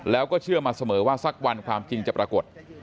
แล้วก็เชื่อมาเสมอว่าสักวันความจริงจะปรากฏ